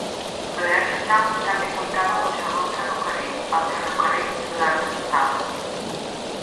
Blairstown també comptava amb un segon ferrocarril, el Ferrocarril Blairstown.